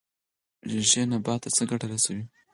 ریښې نبات ته څه ګټه رسوي؟